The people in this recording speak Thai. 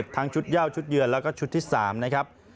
ทั้งชุดเย่าชุดเยือนแล้วก็ชุดที่๓นะครับ